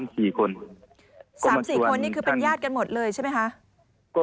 ๓๔คนนี่คือเป็นญาติกันหมดเลยใช่ไหมคะ